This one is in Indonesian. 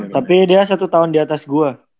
tapi dia satu tahun diatas gue